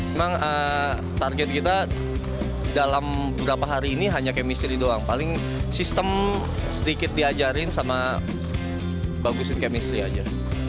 memang target kita dalam beberapa hari ini hanya kemistri doang paling sistem sedikit diajarin sama bagusin chemistry aja